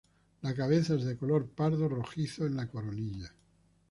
La cabeza es de color pardo rojizo en la coronilla.